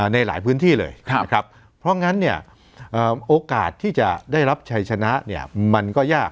ในหลายพื้นที่เลยนะครับเพราะงั้นเนี่ยโอกาสที่จะได้รับชัยชนะเนี่ยมันก็ยาก